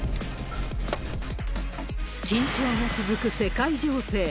緊張が続く世界情勢。